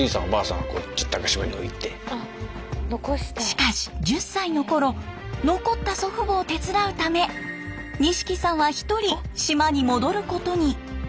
しかし１０歳のころ残った祖父母を手伝うため西来さんは１人島に戻ることに。